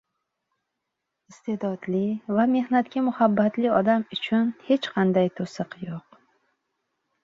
Iste’dodli va mehnatga muhabbatli odam uchun hech qanday to‘siq yo‘q.